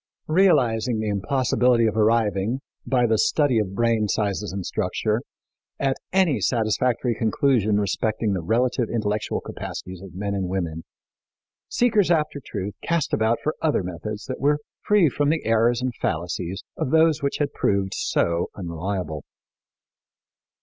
Realizing the impossibility of arriving, by the study of brain sizes and structure, at any satisfactory conclusion respecting the relative intellectual capacities of men and women, seekers after truth cast about for other methods that were free from the errors and fallacies of those which had proved so unreliable.